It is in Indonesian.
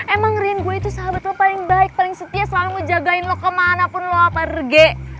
emang ngerian gue itu sahabat lo paling baik paling setia selama mau jagain lo kemanapun lo pergi